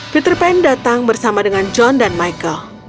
peter pan datang bersama dengan john dan michael